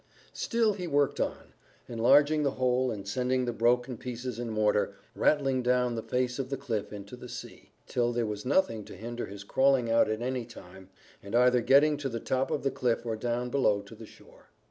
Still he worked on, enlarging the hole and sending the broken pieces and mortar, rattling down the face of the cliff into the sea, till there was nothing to hinder his crawling out at any time, and either getting to the top of the cliff or down below to the shore.